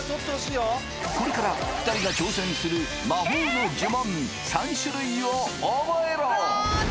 これから２人が挑戦する魔法の呪文３種類をオボエロ！